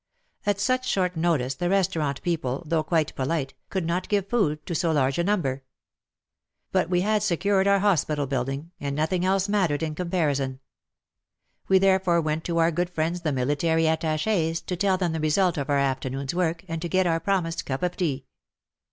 At such short notice the restaurant people, though quite polite, could not give food to so large a number. But we had secured our hospital building, and nothing else mattered in comparison. We therefore went to our good friends the Military Attaches to tell them the result of our afternoon's work and to get our promised cup of tea.